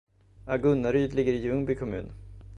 Agunnaryd ligger i Ljungby kommun.